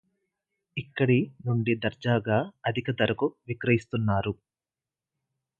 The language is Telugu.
ఇక్కడి నుండి దర్జాగా అధిక ధరకు విక్రయిస్తున్నారు